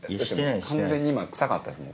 完全に今臭かったですもん